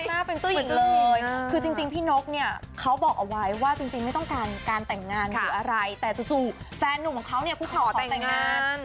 หน้าเป็นเจ้าหญิงเลยคือจริงพี่นกเนี่ยเขาบอกเอาไว้ว่าจริงไม่ต้องการการแต่งงานหรืออะไรแต่จู่แฟนหนุ่มของเขาเนี่ยคือเขาขอแต่งงาน